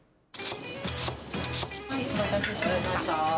お待たせしました。